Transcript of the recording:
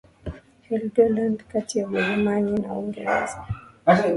Helgoland kati ya Ujerumani na Uingereza